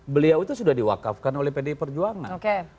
beliau itu sudah diwakafkan oleh pdi perjuangan